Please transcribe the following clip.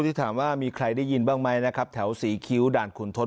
ที่ถามว่ามีใครได้ยินบ้างไหมนะครับแถวศรีคิ้วด่านขุนทศ